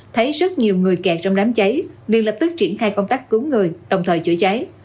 thấy rất nhiều người kẹt trong đám cháy nên lập tức triển khai công tác cứu người đồng thời chữa cháy